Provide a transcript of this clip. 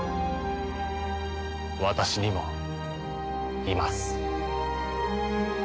私にもいます。